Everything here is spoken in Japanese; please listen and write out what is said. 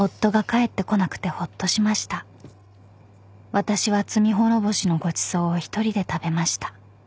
［私は罪滅ぼしのごちそうを一人で食べました］